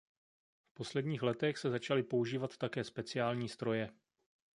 V posledních letech se začaly používat také speciální stroje.